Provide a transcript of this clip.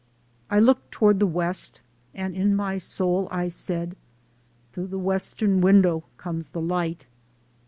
I looked toward the west and in my soul I said, "Through the Western window comes the light."